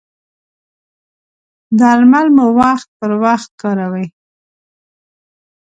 درمل مو وخت پر وخت کاروئ؟